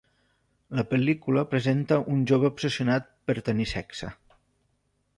La pel·lícula presenta un jove obsessionat per tenir sexe.